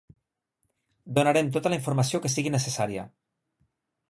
Donarem tota la informació que sigui necessària.